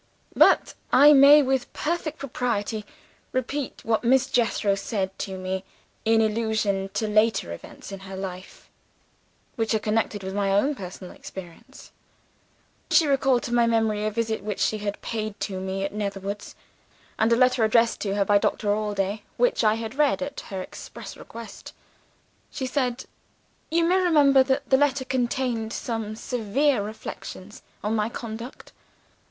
"But I may with perfect propriety repeat what Miss Jethro said to me, in allusion to later events in her life which are connected with my own personal experience. She recalled to my memory a visit which she had paid to me at Netherwoods, and a letter addressed to her by Doctor Allday, which I had read at her express request. "She said, 'You may remember that the letter contained some severe reflections on my conduct.